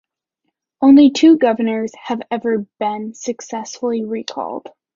Only two governors have ever been successfully recalled.